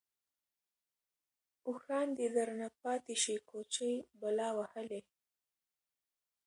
اوښـان دې درنه پاتې شي كوچـۍ بلا وهلې.